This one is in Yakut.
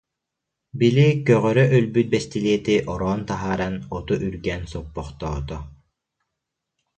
Били көҕөрө өлбүт бэстилиэти ороон таһааран, оту үргээн соппохтоото